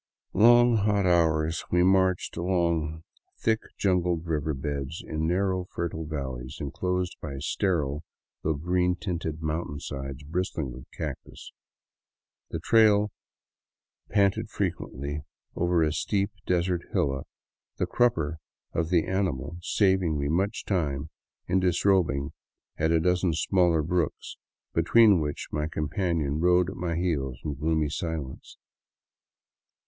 Long, hot hours we marched along thick jungled river beds in narrow, fertile valleys enclosed by sterile, though green tinted mountainsides bristling with cactus. The trail panted frequently over a steep desert hillock, the crupper of the animal saving me much time in disrobing at a dozen smaller brooks, between which my companion rode at my heels in gloomy silence.